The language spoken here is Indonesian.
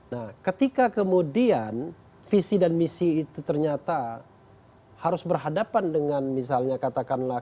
nah ketika kemudian visi dan misi itu ternyata harus berhadapan dengan misalnya katakanlah